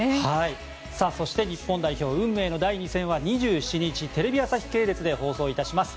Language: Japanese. そして日本代表運命の第２戦は２７日、テレビ朝日系列で放送いたします。